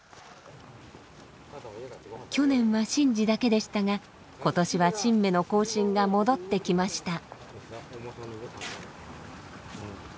去年は神事だけでしたが今年は神馬の行進が戻ってきました。